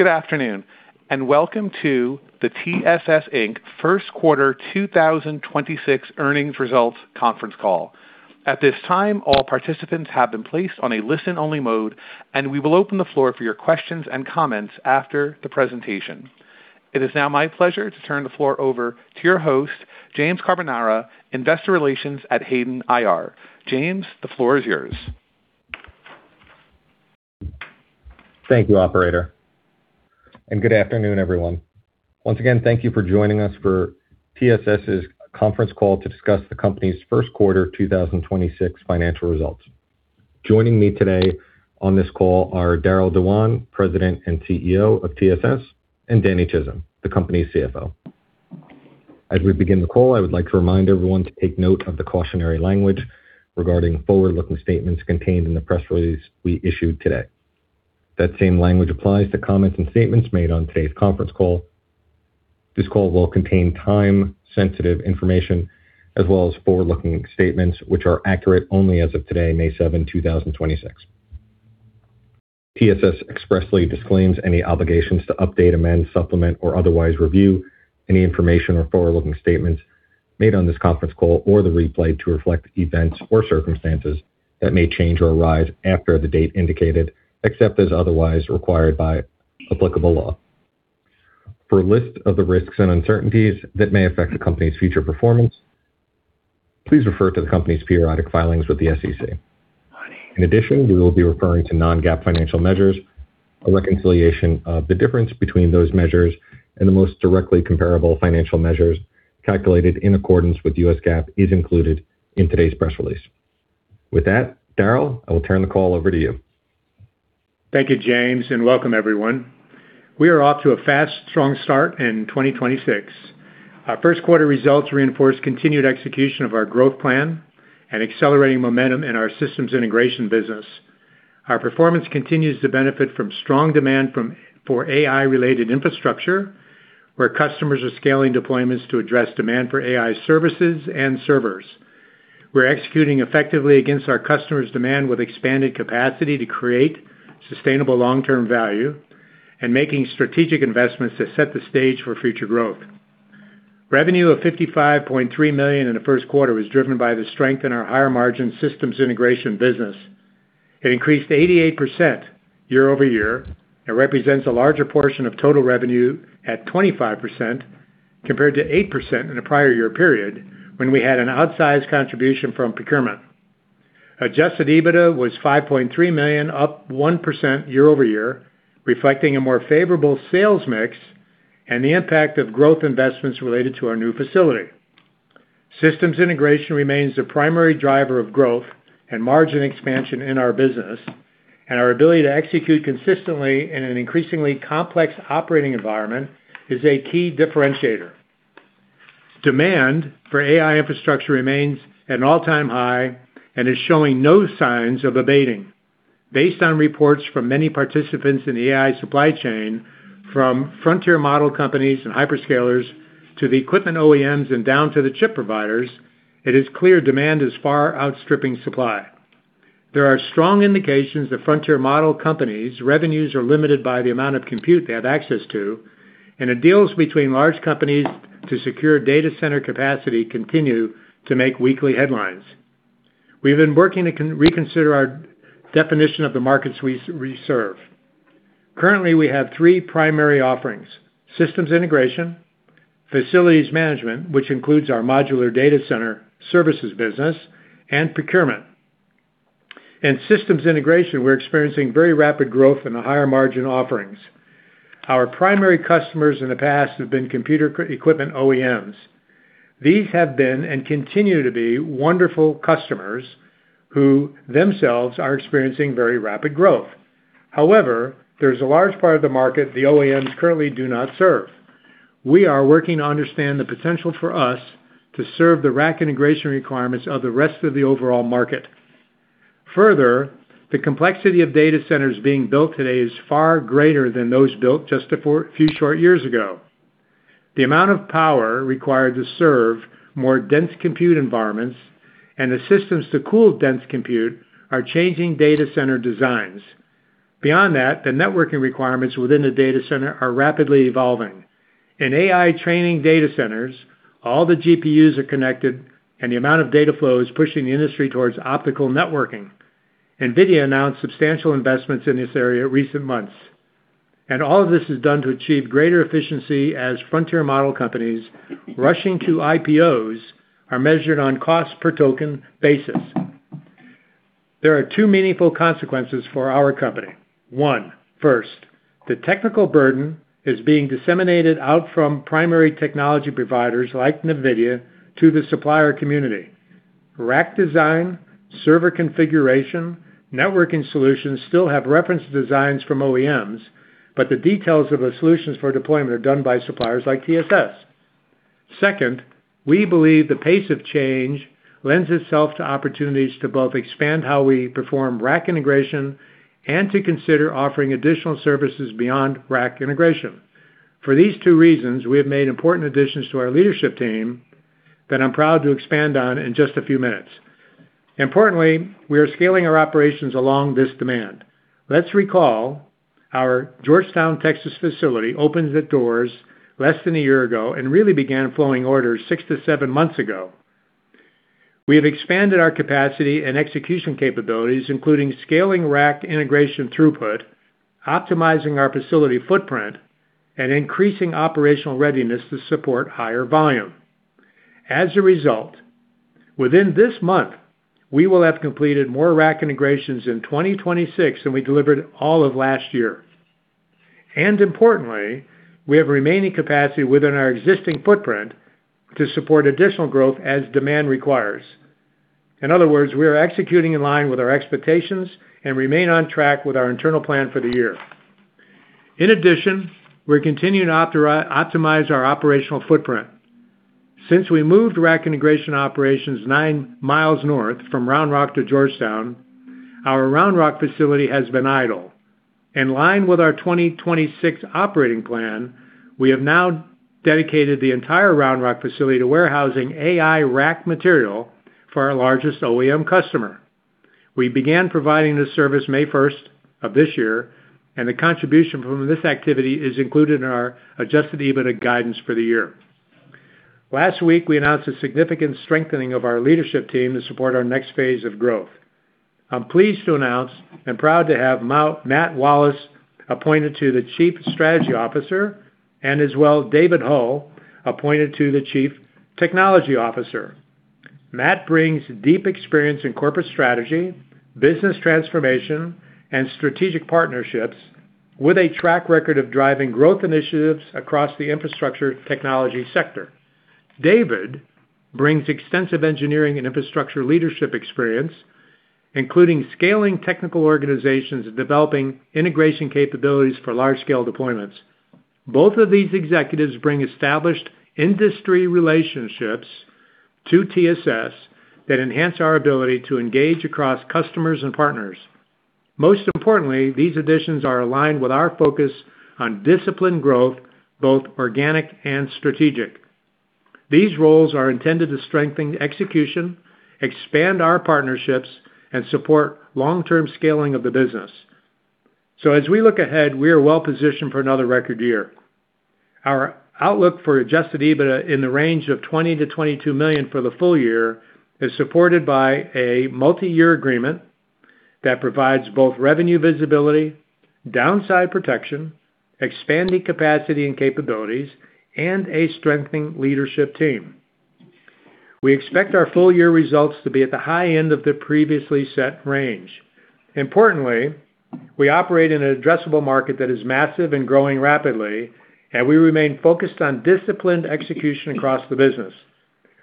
Good afternoon, and welcome to the TSS, Inc. first quarter 2026 earnings results conference call. At this time, all participants have been placed on a listen-only mode, and we will open the floor for your questions and comments after the presentation. It is now my pleasure to turn the floor over to your host, James Carbonara, Investor Relations at Hayden IR. James, the floor is yours. Thank you, operator, and good afternoon, everyone. Once again, thank you for joining us for TSS's conference call to discuss the company's first quarter 2026 financial results. Joining me today on this call are Darryll Dewan, President and CEO of TSS, and Danny Chism, the company's CFO. As we begin the call, I would like to remind everyone to take note of the cautionary language regarding forward-looking statements contained in the press release we issued today. That same language applies to comments and statements made on today's conference call. This call will contain time-sensitive information as well as forward-looking statements, which are accurate only as of today, May 7th, 2026. TSS expressly disclaims any obligations to update, amend, supplement, or otherwise review any information or forward-looking statements made on this conference call or the replay to reflect events or circumstances that may change or arise after the date indicated, except as otherwise required by applicable law. For a list of the risks and uncertainties that may affect the company's future performance, please refer to the company's periodic filings with the SEC. In addition, we will be referring to non-GAAP financial measures. A reconciliation of the difference between those measures and the most directly comparable financial measures calculated in accordance with GAAP is included in today's press release. With that, Darryll, I will turn the call over to you. Thank you, James, and welcome everyone. We are off to a fast, strong start in 2026. Our first quarter results reinforce continued execution of our growth plan and accelerating momentum in our Systems Integration business. Our performance continues to benefit from strong demand for AI-related infrastructure, where customers are scaling deployments to address demand for AI services and servers. We're executing effectively against our customers' demand with expanded capacity to create sustainable long-term value and making strategic investments to set the stage for future growth. Revenue of $55.3 million in the first quarter was driven by the strength in our higher margin Systems Integration business. It increased 88% year-over-year and represents a larger portion of total revenue at 25% compared to 8% in the prior year period when we had an outsized contribution from procurement. Adjusted EBITDA was $5.3 million, up 1% year-over-year, reflecting a more favorable sales mix and the impact of growth investments related to our new facility. Systems integration remains the primary driver of growth and margin expansion in our business. Our ability to execute consistently in an increasingly complex operating environment is a key differentiator. Demand for AI infrastructure remains at an all-time high and is showing no signs of abating. Based on reports from many participants in the AI supply chain, from frontier model companies and hyperscalers to the equipment OEMs and down to the chip providers, it is clear demand is far outstripping supply. There are strong indications that frontier model companies' revenues are limited by the amount of compute they have access to. The deals between large companies to secure data center capacity continue to make weekly headlines. We've been working to reconsider our definition of the markets we serve. Currently, we have three primary offerings: systems integration, facilities management, which includes our modular data center services business, and procurement. In systems integration, we're experiencing very rapid growth in the higher margin offerings. Our primary customers in the past have been computer equipment OEMs. These have been and continue to be wonderful customers who themselves are experiencing very rapid growth. However, there's a large part of the market the OEMs currently do not serve. We are working to understand the potential for us to serve the rack integration requirements of the rest of the overall market. Further, the complexity of data centers being built today is far greater than those built just a few short years ago. The amount of power required to serve more dense compute environments and the systems to cool dense compute are changing data center designs. Beyond that, the networking requirements within the data center are rapidly evolving. In AI training data centers, all the GPUs are connected, and the amount of data flow is pushing the industry towards optical networking. NVIDIA announced substantial investments in this area in recent months. All of this is done to achieve greater efficiency as frontier model companies rushing to IPOs are measured on cost per token basis. There are two meaningful consequences for our company. One, first, the technical burden is being disseminated out from primary technology providers like NVIDIA to the supplier community. Rack design, server configuration, networking solutions still have reference designs from OEMs, but the details of the solutions for deployment are done by suppliers like TSS. Second, we believe the pace of change lends itself to opportunities to both expand how we perform AI rack integration and to consider offering additional services beyond AI rack integration. For these two reasons, we have made important additions to our leadership team that I'm proud to expand on in just a few minutes. Importantly, we are scaling our operations along this demand. Let's recall our Georgetown, Texas facility opened its doors less than a year ago and really began flowing orders six to seven months ago. We have expanded our capacity and execution capabilities, including scaling AI rack integration throughput, optimizing our facility footprint, and increasing operational readiness to support higher volume. As a result, within this month, we will have completed more AI rack integrations in 2026 than we delivered all of last year. `` Importantly, we have remaining capacity within our existing footprint to support additional growth as demand requires. In other words, we are executing in line with our expectations and remain on track with our internal plan for the year. In addition, we're continuing to optimize our operational footprint. Since we moved rack integration operations nine miles north from Round Rock to Georgetown, our Round Rock facility has been idle. In line with our 2026 operating plan, we have now dedicated the entire Round Rock facility to warehousing AI rack material for our largest OEM customer. We began providing this service May 1st of this year, and the contribution from this activity is included in our Adjusted EBITDA guidance for the year. Last week, we announced a significant strengthening of our leadership team to support our next phase of growth. I'm pleased to announce and proud to have Matt Wallace appointed to the Chief Strategy Officer and as well David Hull appointed to the Chief Technology Officer. Matt brings deep experience in corporate strategy, business transformation, and strategic partnerships with a track record of driving growth initiatives across the infrastructure technology sector. David brings extensive engineering and infrastructure leadership experience, including scaling technical organizations and developing integration capabilities for large-scale deployments. Both of these executives bring established industry relationships to TSS that enhance our ability to engage across customers and partners. Most importantly, these additions are aligned with our focus on disciplined growth, both organic and strategic. These roles are intended to strengthen execution, expand our partnerships, and support long-term scaling of the business. As we look ahead, we are well positioned for another record year. Our outlook for Adjusted EBITDA in the range of $20 million-$22 million for the full year is supported by a multiyear agreement that provides both revenue visibility, downside protection, expanding capacity and capabilities, and a strengthening leadership team. We expect our full year results to be at the high end of the previously set range. Importantly, we operate in an addressable market that is massive and growing rapidly, and we remain focused on disciplined execution across the business.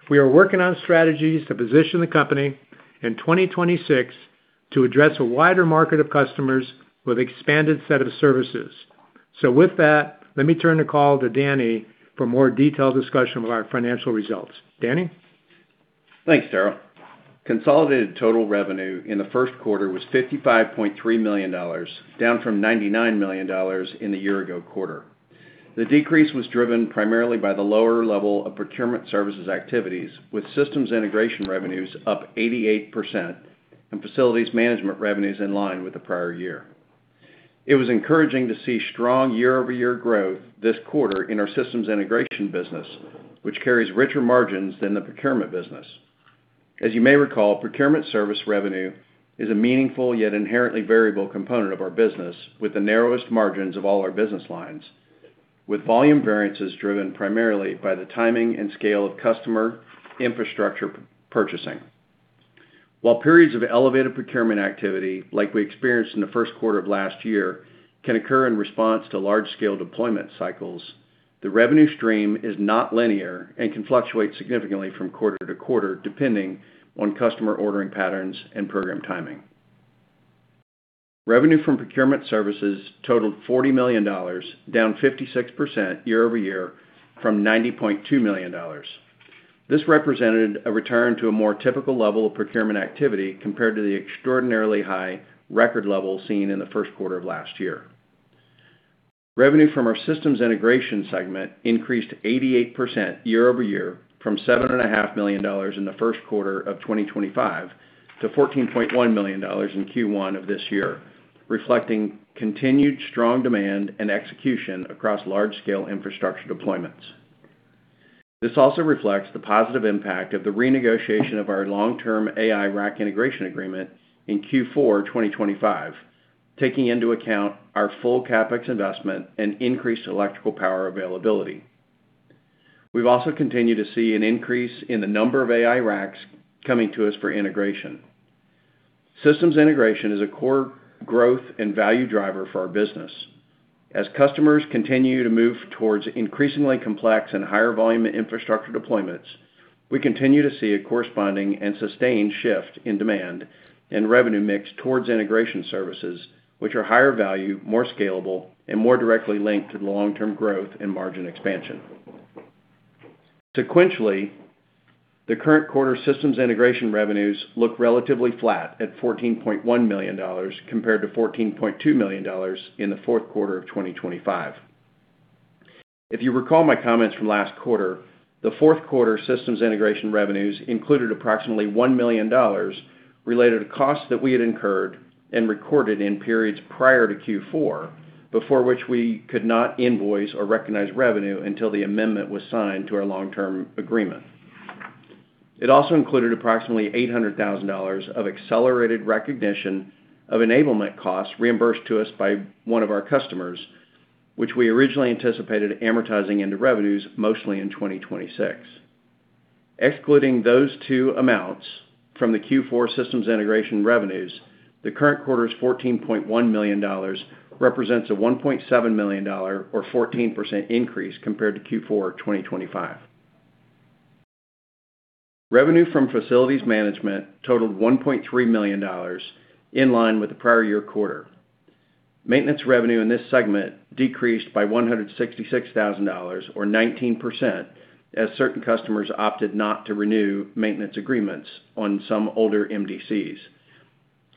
We are working on strategies to position the company in 2026 to address a wider market of customers with expanded set of services. So, with that, let me turn the call to Danny for more detailed discussion of our financial results. Danny? Thanks, Darryll. Consolidated total revenue in the first quarter was $55.3 million, down from $99 million in the year-ago quarter. The decrease was driven primarily by the lower level of procurement services activities, with systems integration revenues up 88% and facilities management revenues in line with the prior year. It was encouraging to see strong year-over-year growth this quarter in our systems integration business, which carries richer margins than the procurement business. As you may recall, procurement service revenue is a meaningful yet inherently variable component of our business with the narrowest margins of all our business lines, with volume variances driven primarily by the timing and scale of customer infrastructure purchasing. While periods of elevated procurement activity, like we experienced in the first quarter of last year, can occur in response to large-scale deployment cycles, the revenue stream is not linear and can fluctuate significantly from quarter to quarter, depending on customer ordering patterns and program timing. Revenue from procurement services totaled $40 million, down 56% year-over-year from $90.2 million. This represented a return to a more typical level of procurement activity compared to the extraordinarily high record level seen in the first quarter of last year. Revenue from our Systems Integration segment increased 88% year-over-year from seven and a half million dollars in the first quarter of 2025 to $14.1 million in Q1 of this year, reflecting continued strong demand and execution across large-scale infrastructure deployments. This also reflects the positive impact of the renegotiation of our long-term AI rack integration agreement in Q4 2025, taking into account our full CapEx investment and increased electrical power availability. We've also continued to see an increase in the number of AI racks coming to us for integration. Systems integration is a core growth and value driver for our business. As customers continue to move towards increasingly complex and higher volume infrastructure deployments, we continue to see a corresponding and sustained shift in demand and revenue mix towards integration services, which are higher value, more scalable, and more directly linked to the long-term growth and margin expansion. Sequentially, the current quarter systems integration revenues look relatively flat at $14.1 million compared to $14.2 million in the fourth quarter of 2025. If you recall my comments from last quarter, the fourth quarter systems integration revenues included approximately $1 million related to costs that we had incurred and recorded in periods prior to Q4, before which we could not invoice or recognize revenue until the amendment was signed to our long-term agreement. It also included approximately $800,000 of accelerated recognition of enablement costs reimbursed to us by one of our customers, which we originally anticipated amortizing into revenues mostly in 2026. Excluding those two amounts from the Q4 systems integration revenues, the current quarter's $14.1 million represents a $1.7 million or 14% increase compared to Q4 2025. Revenue from facilities management totaled $1.3 million, in line with the prior year quarter. Maintenance revenue in this segment decreased by $166,000 or 19% as certain customers opted not to renew maintenance agreements on some older MDCs,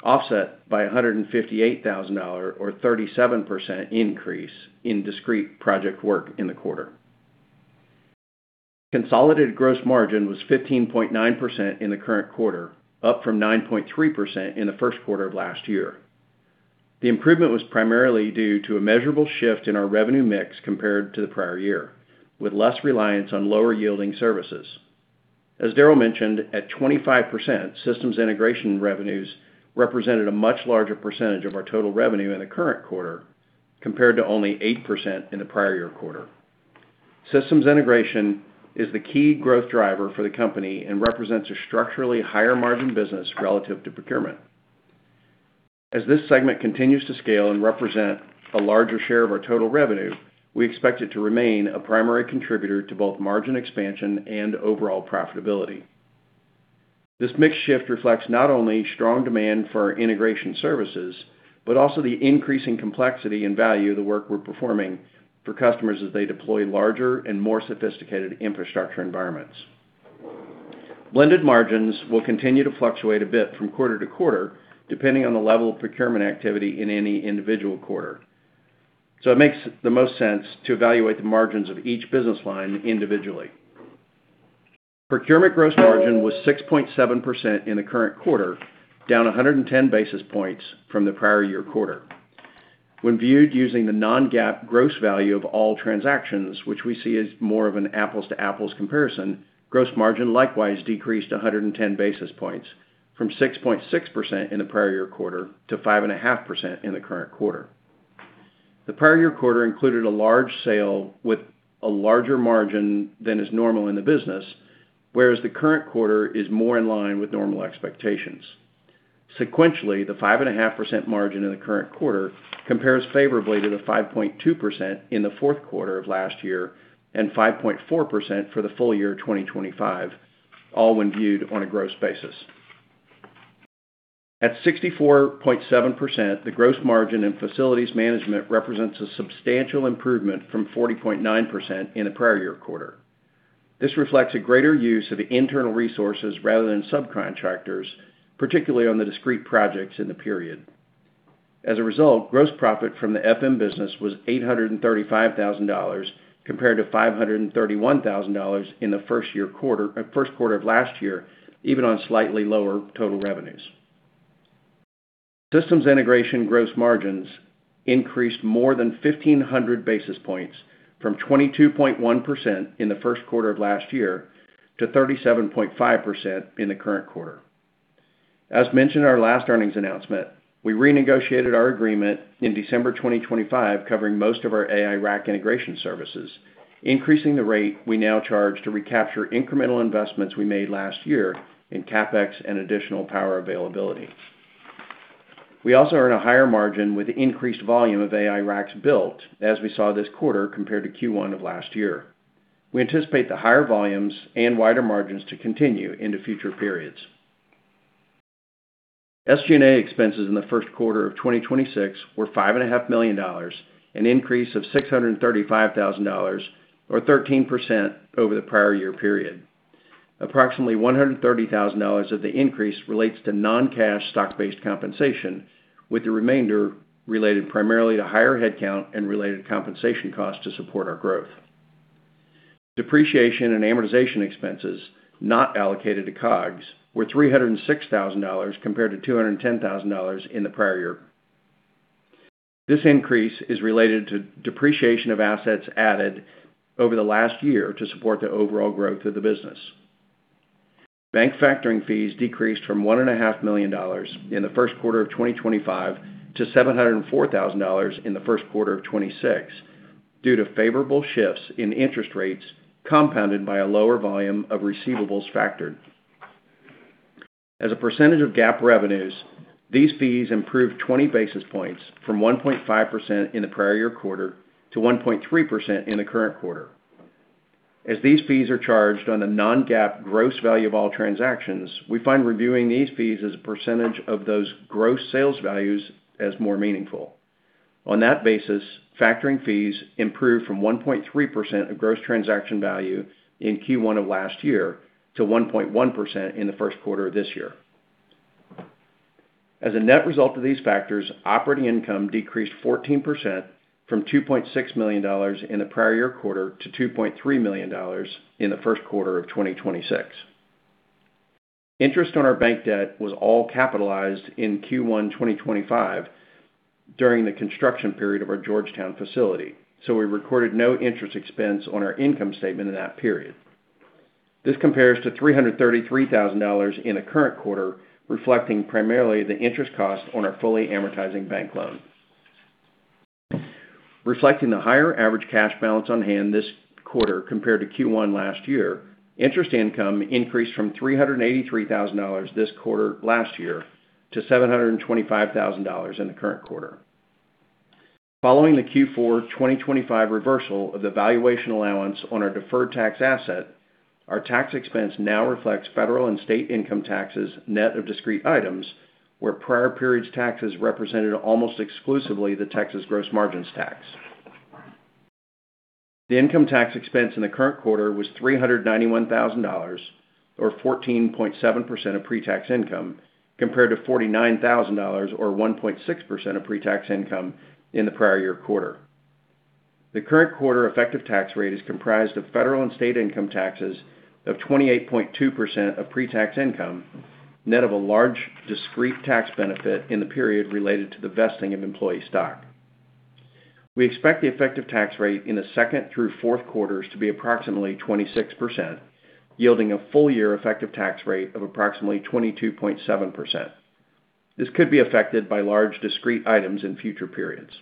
offset by $158,000 or 37% increase in discrete project work in the quarter. Consolidated gross margin was 15.9% in the current quarter, up from 9.3% in the first quarter of last year. The improvement was primarily due to a measurable shift in our revenue mix compared to the prior year, with less reliance on lower-yielding services. As Darryll mentioned, at 25%, systems integration revenues represented a much larger percentage of our total revenue in the current quarter compared to only 8% in the prior year quarter. Systems integration is the key growth driver for the company and represents a structurally higher margin business relative to procurement. As this segment continues to scale and represent a larger share of our total revenue, we expect it to remain a primary contributor to both margin expansion and overall profitability. This mix shift reflects not only strong demand for integration services, but also the increasing complexity and value of the work we're performing for customers as they deploy larger and more sophisticated infrastructure environments. Blended margins will continue to fluctuate a bit from quarter to quarter, depending on the level of procurement activity in any individual quarter. It makes the most sense to evaluate the margins of each business line individually. Procurement gross margin was 6.7% in the current quarter, down 110 basis points from the prior year quarter. When viewed using the non-GAAP gross value of all transactions, which we see as more of an apples to apples comparison, gross margin likewise decreased 110 basis points from 6.6% in the prior year quarter to 5.5% in the current quarter. The prior year quarter included a large sale with a larger margin than is normal in the business, whereas the current quarter is more in line with normal expectations. Sequentially, the 5.5% margin in the current quarter compares favorably to the 5.2% in the fourth quarter of last year and 5.4% for the full year 2025, all when viewed on a gross basis. At 64.7%, the gross margin in facilities management represents a substantial improvement from 40.9% in the prior year quarter. This reflects a greater use of internal resources rather than subcontractors, particularly on the discrete projects in the period. As a result, gross profit from the FM business was $835,000 compared to $531,000 in the first year, first quarter of last year, even on slightly lower total revenues. Systems integration gross margins increased more than 1,500 basis points from 22.1% in the first quarter of last year to 37.5% in the current quarter. As mentioned in our last earnings announcement, we renegotiated our agreement in December 2025 covering most of our AI rack integration services, increasing the rate we now charge to recapture incremental investments we made last year in CapEx and additional power availability. We also earn a higher margin with increased volume of AI racks built, as we saw this quarter compared to Q1 of last year. We anticipate the higher volumes and wider margins to continue into future periods. SG&A expenses in the first quarter of 2026 were five and a half million dollars, an increase of $635,000 or 13% over the prior year period. Approximately $130,000 of the increase relates to non-cash stock-based compensation, with the remainder related primarily to higher headcount and related compensation costs to support our growth. Depreciation and amortization expenses not allocated to COGS were $306,000 compared to $210,000 in the prior year. This increase is related to depreciation of assets added over the last year to support the overall growth of the business. Bank factoring fees decreased from one and a half million dollars in the first quarter of 2025 to $704,000 in the first quarter of 2026 due to favorable shifts in interest rates compounded by a lower volume of receivables factored. As a percentage of GAAP revenues, these fees improved 20 basis points from 1.5% in the prior year quarter to 1.3% in the current quarter. As these fees are charged on a non-GAAP gross value of all transactions, we find reviewing these fees as a percentage of those gross sales values as more meaningful. On that basis, factoring fees improved from 1.3% of gross transaction value in Q1 of last year to 1.1% in the first quarter of this year. As a net result of these factors, operating income decreased 14% from $2.6 million in the prior year quarter to $2.3 million in the first quarter of 2026. Interest on our bank debt was all capitalized in Q1 2025 during the construction period of our Georgetown facility, so we recorded no interest expense on our income statement in that period. This compares to $333,000 in the current quarter, reflecting primarily the interest cost on our fully amortizing bank loan. Reflecting the higher average cash balance on hand this quarter compared to Q1 last year, interest income increased from $383,000 this quarter last year to $725,000 in the current quarter. Following the Q4 2025 reversal of the valuation allowance on our deferred tax asset, our tax expense now reflects federal and state income taxes net of discrete items where prior periods taxes represented almost exclusively the Texas franchise tax. The income tax expense in the current quarter was $391,000, or 14.7% of pre-tax income, compared to $49,000, or 1.6% of pre-tax income in the prior year quarter. The current quarter effective tax rate is comprised of federal and state income taxes of 28.2% of pre-tax income, net of a large discrete tax benefit in the period related to the vesting of employee stock. We expect the effective tax rate in the second through fourth quarters to be approximately 26%, yielding a full year effective tax rate of approximately 22.7%. This could be affected by large discrete items in future periods.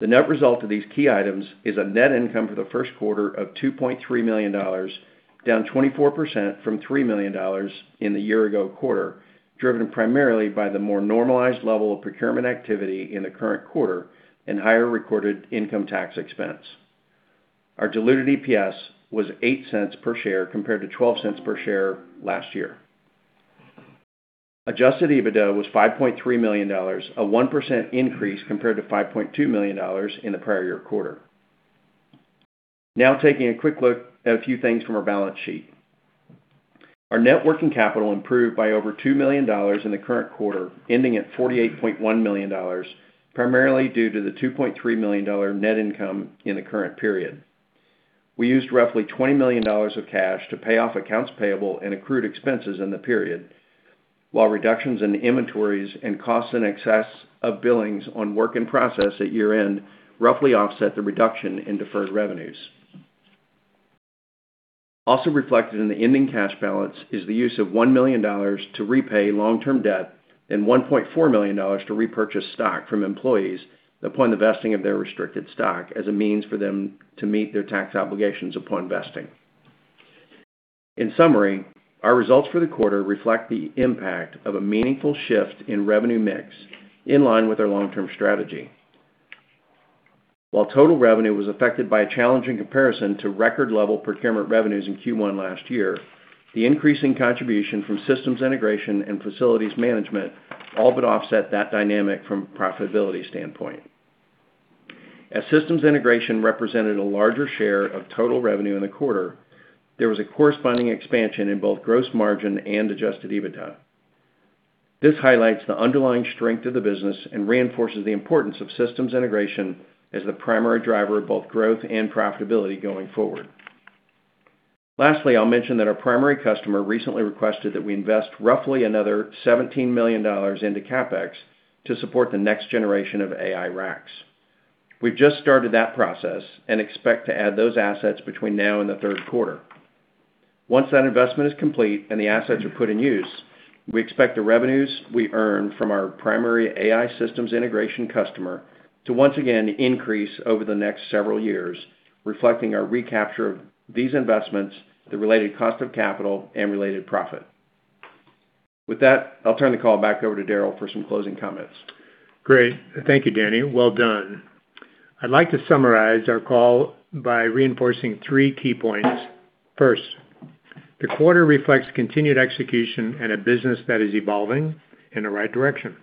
The net result of these key items is a net income for the first quarter of $2.3 million, down 24% from $3 million in the year ago quarter, driven primarily by the more normalized level of procurement activity in the current quarter and higher recorded income tax expense. Our diluted EPS was $0.08 per share compared to $0.12 per share last year. Adjusted EBITDA was $5.3 million, a 1% increase compared to $5.2 million in the prior year quarter. Now taking a quick look at a few things from our balance sheet. Our net working capital improved by over $2 million in the current quarter, ending at $48.1 million, primarily due to the $2.3 million net income in the current period. We used roughly $20 million of cash to pay off accounts payable and accrued expenses in the period, while reductions in inventories and costs in excess of billings on work in process at year-end roughly offset the reduction in deferred revenues. Also reflected in the ending cash balance is the use of $1 million to repay long-term debt and $1.4 million to repurchase stock from employees upon the vesting of their restricted stock as a means for them to meet their tax obligations upon vesting. In summary, our results for the quarter reflect the impact of a meaningful shift in revenue mix in line with our long-term strategy. While total revenue was affected by a challenging comparison to record level procurement revenues in Q1 last year, the increasing contribution from systems integration and facilities management all but offset that dynamic from a profitability standpoint. As systems integration represented a larger share of total revenue in the quarter, there was a corresponding expansion in both gross margin and Adjusted EBITDA. This highlights the underlying strength of the business and reinforces the importance of systems integration as the primary driver of both growth and profitability going forward. Lastly, I'll mention that our primary customer recently requested that we invest roughly another $17 million into CapEx to support the next generation of AI racks. We've just started that process and expect to add those assets between now and the third quarter. Once that investment is complete and the assets are put in use, we expect the revenues we earn from our primary AI systems integration customer to once again increase over the next several years, reflecting our recapture of these investments, the related cost of capital and related profit. With that, I'll turn the call back over to Darryll for some closing comments. Great. Thank you, Danny. Well done. I'd like to summarize our call by reinforcing three key points. First, the quarter reflects continued execution and a business that is evolving in the right direction.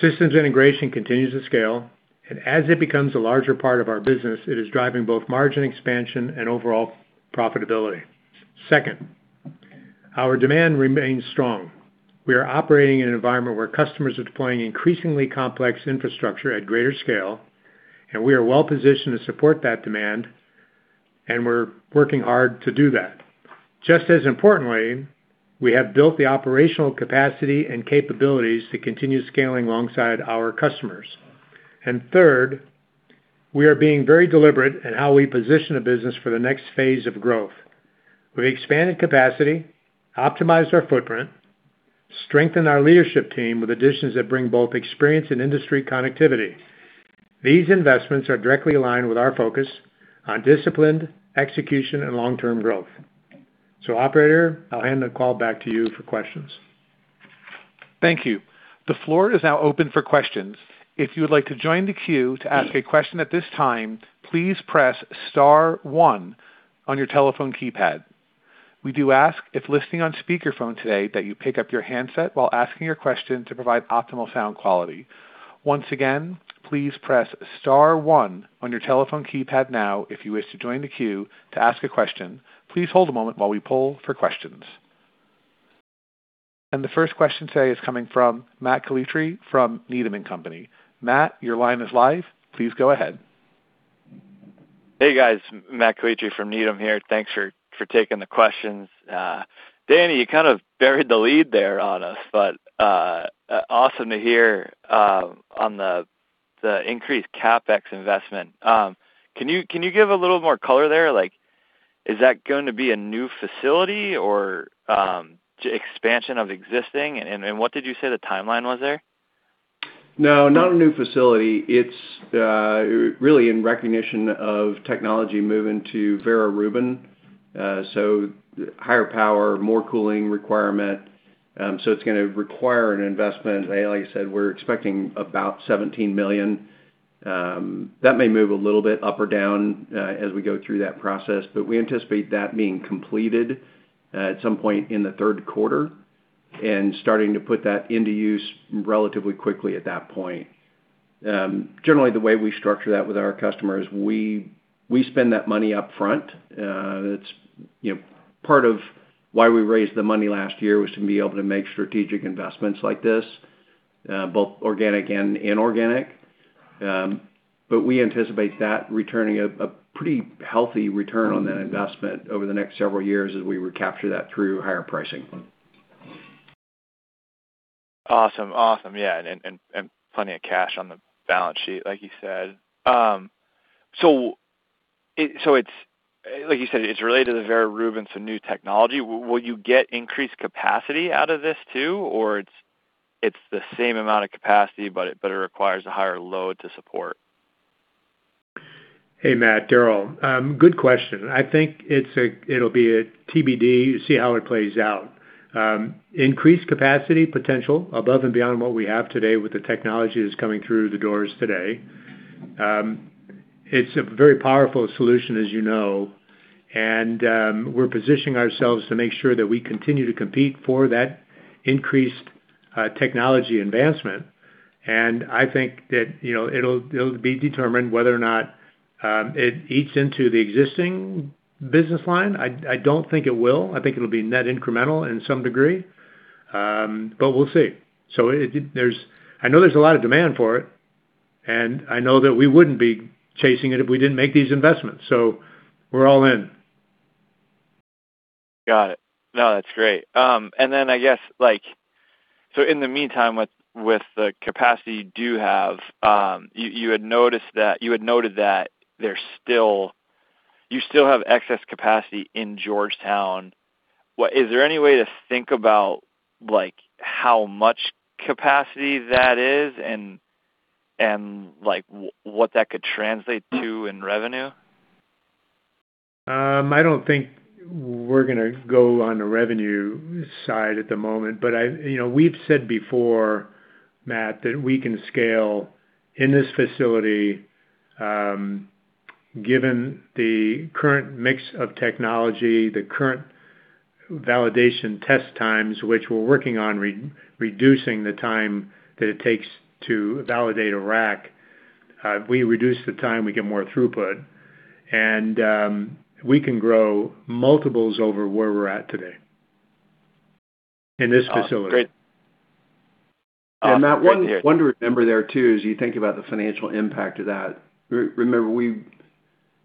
Systems integration continues to scale, and as it becomes a larger part of our business, it is driving both margin expansion and overall profitability. Second, our demand remains strong. We are operating in an environment where customers are deploying increasingly complex infrastructure at greater scale, and we are well positioned to support that demand, and we're working hard to do that. Just as importantly, we have built the operational capacity and capabilities to continue scaling alongside our customers. Third, we are being very deliberate in how we position a business for the next phase of growth. We've expanded capacity, optimized our footprint, strengthened our leadership team with additions that bring both experience and industry connectivity. These investments are directly aligned with our focus on disciplined execution and long-term growth. So, Operator, I'll hand the call back to you for questions. Thank you. The floor is now open for questions. If you would like to join the queue to ask a question at this time, please press star one on your telephone keypad. We do ask if listening on speaker phone today that you pick up your handset while asking your question to provide optimal sound quality. Once again, please press star one on your telephone keypad now if you wish to join the queue to ask a question. Please hold a moment while we poll for questions. The first question today is coming from Matt Calitri from Needham & Company. Matt, your line is live. Please go ahead. Hey, guys. Matt Calitri from Needham here. Thanks for taking the questions. Danny, you kind of buried the lead there on us, but awesome to hear on the increased CapEx investment. Can you give a little more color there? Like, is that going to be a new facility or expansion of existing? What did you say the timeline was there? No, not a new facility. It's really in recognition of technology moving to Vera Rubin. Higher power, more cooling requirement. It's gonna require an investment. Like I said, we're expecting about $17 million. That may move a little bit up or down as we go through that process, but we anticipate that being completed at some point in the third quarter, and starting to put that into use relatively quickly at that point. Generally the way we structure that with our customers, we spend that money up front. It's, you know, part of why we raised the money last year was to be able to make strategic investments like this, both organic and inorganic. We anticipate that returning a pretty healthy return on that investment over the next several years as we recapture that through higher pricing. Awesome. Awesome. Yeah and plenty of cash on the balance sheet, like you said. Like you said, it's related to Vera Rubin, some new technology. Will you get increased capacity out of this too? It's the same amount of capacity, but it requires a higher load to support? Hey, Matt. Darryll. Good question. I think it'll be a TBD. See how it plays out. Increased capacity potential above and beyond what we have today with the technology that's coming through the doors today. It's a very powerful solution, as you know. We're positioning ourselves to make sure that we continue to compete for that increased technology advancement. I think that, you know, it'll be determined whether or not it eats into the existing business line. I don't think it will. I think it'll be net incremental in some degree. We'll see. I know there's a lot of demand for it, and I know that we wouldn't be chasing it if we didn't make these investments. We're all in. Got it. No, that's great. I guess, like in the meantime, with the capacity you do have, you had noted that you still have excess capacity in Georgetown. Is there any way to think about, like, how much capacity that is and, like, what that could translate to in revenue? I don't think we're gonna go on the revenue side at the moment. I, you know, we've said before, Matt, that we can scale in this facility, given the current mix of technology, the current validation test times, which we're working on re-reducing the time that it takes to validate a rack. We reduce the time, we get more throughput. We can grow multiples over where we're at today in this facility. Oh, great. Matt, one to remember there too, as you think about the financial impact of that, remember,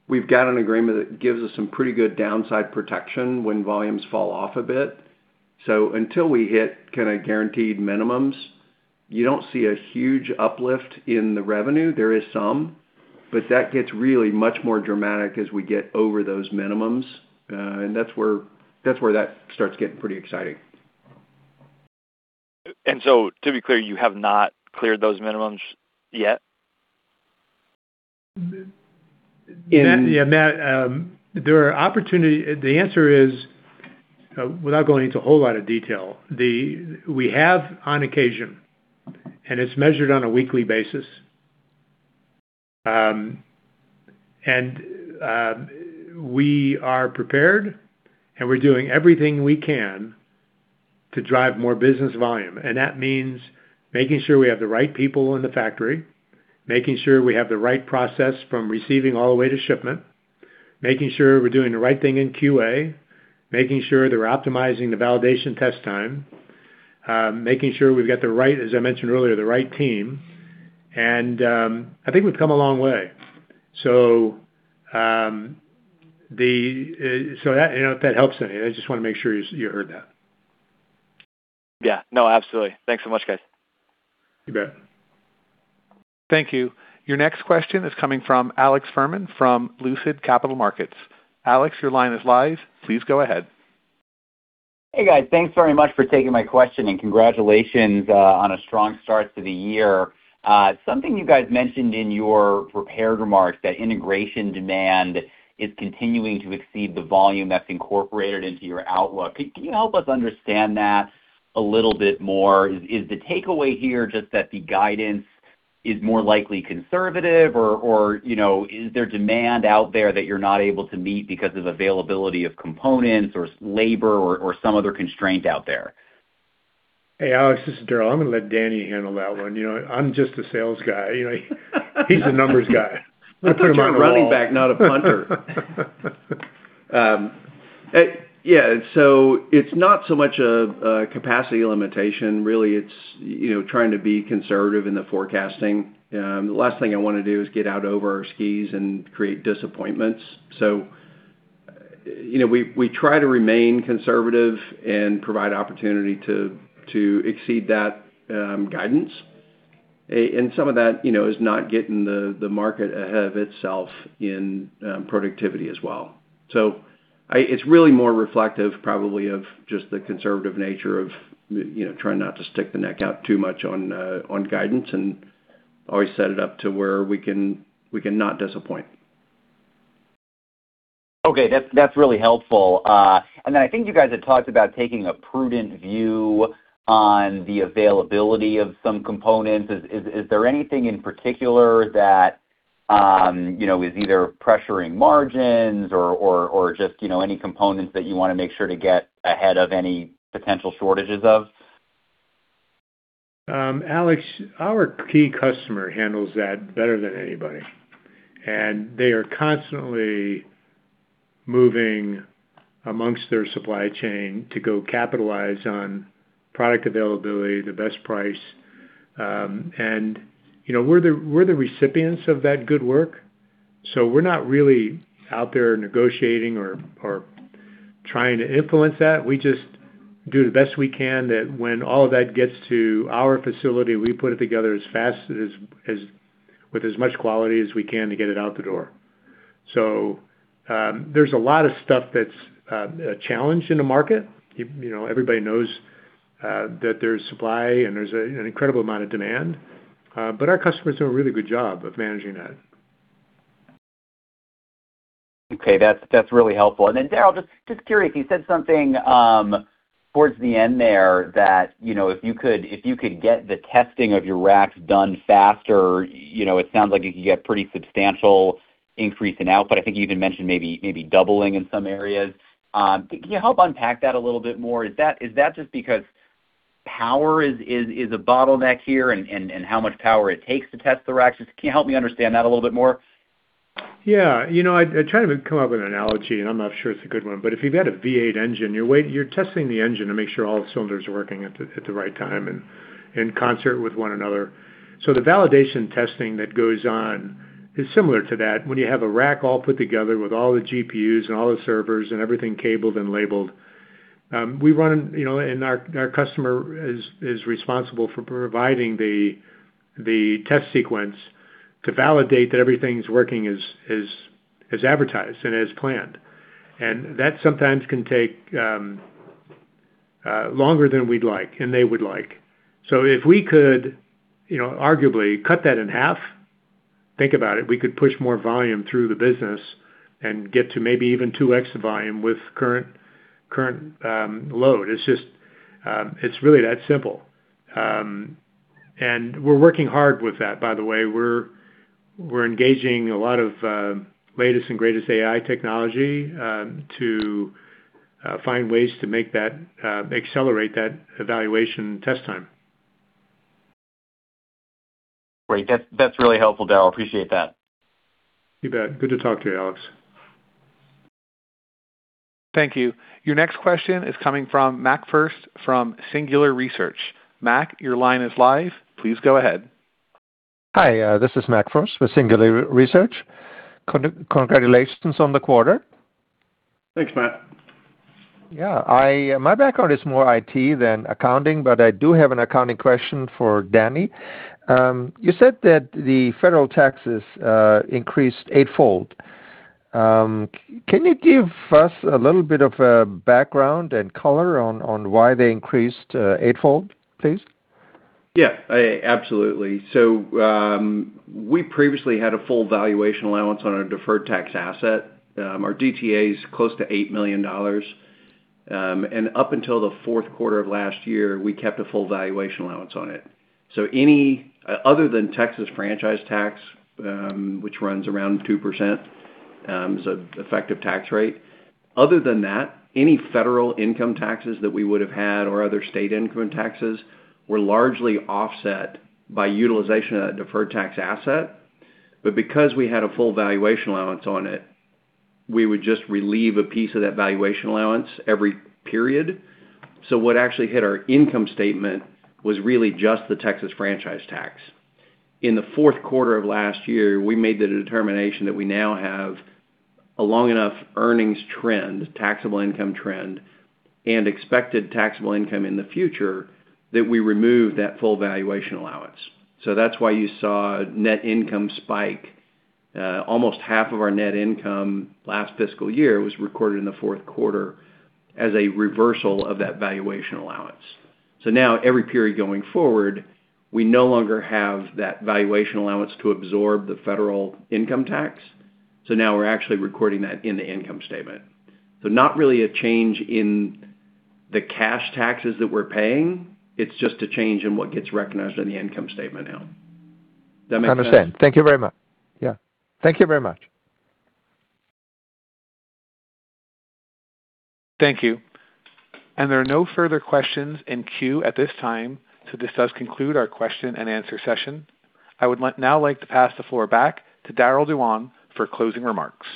we've got an agreement that gives us some pretty good downside protection when volumes fall off a bit. Until we hit kinda guaranteed minimums, you don't see a huge uplift in the revenue. There is some, but that gets really much more dramatic as we get over those minimums. That's where that starts getting pretty exciting. To be clear, you have not cleared those minimums yet? Matt, yeah, Matt, there are opportunity. The answer is, without going into a whole lot of detail, we have on occasion, it's measured on a weekly basis. And we are prepared, and we're doing everything we can to drive more business volume. That means making sure we have the right people in the factory, making sure we have the right process from receiving all the way to shipment, making sure we're doing the right thing in QA, making sure that we're optimizing the validation test time, making sure we've got the right, as I mentioned earlier, the right team. I think we've come a long way. So, that, you know, if that helps any. I just want to make sure you heard that. Yeah. No, absolutely. Thanks so much, guys. You bet. Thank you. Your next question is coming from Alex Fuhrman from Lucid Capital Markets. Alex, your line is live. Please go ahead. Hey, guys. Thanks very much for taking my question. Congratulations on a strong start to the year. Something you guys mentioned in your prepared remarks, that integration demand is continuing to exceed the volume that's incorporated into your outlook. Can you help us understand that a little bit more? Is the takeaway here just that the guidance is more likely conservative? Or, you know, is there demand out there that you're not able to meet because of availability of components or labor or some other constraint out there? Hey, Alex, this is Darryll. I'm gonna let Danny handle that one. You know, I'm just a sales guy. You know, he's the numbers guy. I put him on a wall. Yeah, it's not so much a capacity limitation really. It's, you know, trying to be conservative in the forecasting. The last thing I wanna do is get out over our skis and create disappointments. So, you know, we try to remain conservative and provide opportunity to exceed that guidance. Some of that, you know, is not getting the market ahead of itself in productivity as well. So it's really more reflective probably of just the conservative nature of, you know, trying not to stick the neck out too much on guidance and always set it up to where we can not disappoint. Okay. That's really helpful. And then, I think you guys had talked about taking a prudent view on the availability of some components. Is there anything in particular that, you know, is either pressuring margins or just, you know, any components that you wanna make sure to get ahead of any potential shortages of? Alex, our key customer handles that better than anybody, and they are constantly moving amongst their supply chain to go capitalize on product availability, the best price. You know, we're the recipients of that good work, so we're not really out there negotiating or trying to influence that. We just do the best we can that when all of that gets to our facility, we put it together as fast as with as much quality as we can to get it out the door. There's a lot of stuff that's a challenge in the market. You know, everybody knows that there's supply and there's an incredible amount of demand, but our customers do a really good job of managing that. Okay. That's really helpful. Darryll, just curious, you said something towards the end there that, you know, if you could get the testing of your racks done faster, it sounds like you could get pretty substantial increase in output. I think you even mentioned maybe doubling in some areas. Can you help unpack that a little bit more? Is that just because power is a bottleneck here and how much power it takes to test the racks? Just can you help me understand that a little bit more? Yeah. You know, I try to come up with an analogy, and I'm not sure it's a good one, but if you've had a V8 engine, you're testing the engine to make sure all the cylinders are working at the right time and in concert with one another. So, the validation testing that goes on is similar to that. When you have a rack all put together with all the GPUs and all the servers and everything cabled and labeled, we run, you know, our customer is responsible for providing the test sequence to validate that everything's working as advertised and as planned. That sometimes can take longer than we'd like and they would like. If we could, you know, arguably cut that in half, think about it, we could push more volume through the business and get to maybe even 2x volume with current load. It's just, it's really that simple. And we're working hard with that, by the way. We're engaging a lot of latest and greatest AI technology to find ways to make that accelerate that evaluation test time. Great. That's really helpful, Darryll. Appreciate that. You bet. Good to talk to you, Alex. Thank you. Your next question is coming from Mac Furst from Singular Research. Mac, your line is live. Please go ahead. Hi. This is Mac Furst with Singular Research. Congratulations on the quarter. Thanks, Mac. Yeah. My background is more IT than accounting, but I do have an accounting question for Danny. You said that the federal taxes increased 8-fold. Can you give us a little bit of a background and color on why they increased 8-fold, please? Yeah. Absolutely. We previously had a full valuation allowance on our deferred tax asset. Our DTA is close to $8 million. And up until the fourth quarter of last year, we kept a full valuation allowance on it. Any, other than Texas franchise tax, which runs around 2%, effective tax rate, other than that, any federal income taxes that we would have had or other state income taxes were largely offset by utilization of that deferred tax asset. But because we had a full valuation allowance on it, we would just relieve a piece of that valuation allowance every period. What actually hit our income statement was really just the Texas franchise tax. In the fourth quarter of last year, we made the determination that we now have a long enough earnings trend, taxable income trend, and expected taxable income in the future that we remove that full valuation allowance. That's why you saw net income spike. Almost half of our net income last fiscal year was recorded in the fourth quarter as a reversal of that valuation allowance. Now every period going forward, we no longer have that valuation allowance to absorb the federal income tax. Now we're actually recording that in the income statement. Not really a change in the cash taxes that we're paying, it's just a change in what gets recognized on the income statement now. Does that make sense? Understand. Thank you very much. Yeah. Thank you very much. Thank you. There are no further questions in queue at this time, so this does conclude our question and answer session. Now like to pass the floor back to Darryll Dewan for closing remarks.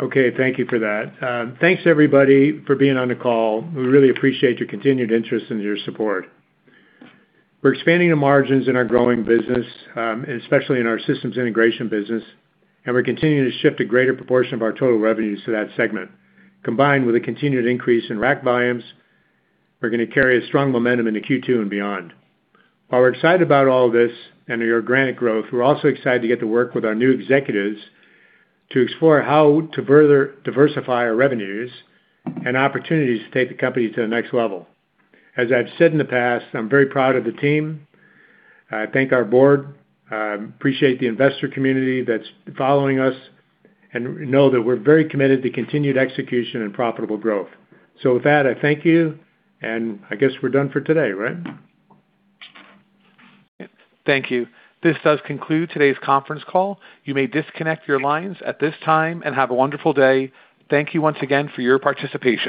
Okay. Thank you for that. Thanks everybody for being on the call. We really appreciate your continued interest and your support. We're expanding the margins in our growing business, especially in our Systems Integration business, we're continuing to shift a greater proportion of our total revenues to that segment. Combined with a continued increase in rack volumes, we're gonna carry a strong momentum into Q2 and beyond. While we're excited about all this and your organic growth, we're also excited to get to work with our new executives to explore how to further diversify our revenues and opportunities to take the company to the next level. As I've said in the past, I'm very proud of the team. I thank our board, appreciate the investor community that's following us, know that we're very committed to continued execution and profitable growth. With that, I thank you, and I guess we're done for today, right? Thank you. This does conclude today's conference call. You may disconnect your lines at this time, and have a wonderful day. Thank you once again for your participation.